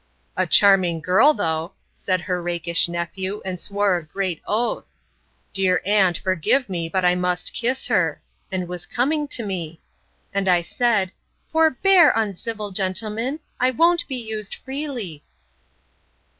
A charming girl, though! said her rakish nephew, and swore a great oath: Dear aunt, forgive me, but I must kiss her; and was coming to me. And I said, Forbear, uncivil gentleman! I won't be used freely.